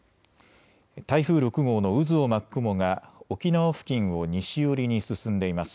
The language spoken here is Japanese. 台風６号の渦を巻く雲が沖縄付近を西寄りに進んでいます。